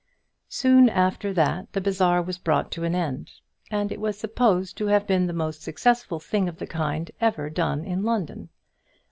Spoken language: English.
Soon after that the bazaar was brought to an end, and it was supposed to have been the most successful thing of the kind ever done in London.